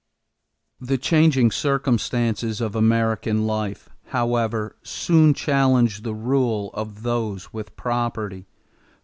= The changing circumstances of American life, however, soon challenged the rule of those with property.